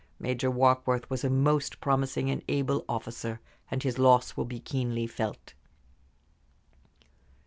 Major Warkworth was a most promising and able officer, and his loss will be keenly felt."